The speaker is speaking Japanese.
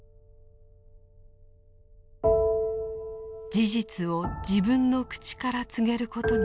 事実を自分の口から告げることになるのか。